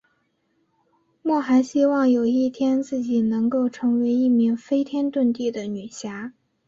莫涵希望有一天自己能够成为一名飞天遁地的女侠。